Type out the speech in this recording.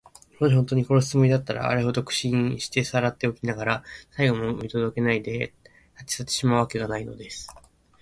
もしほんとうに殺すつもりだったら、あれほど苦心してさらっておきながら、最期も見とどけないで、たちさってしまうわけがないのです。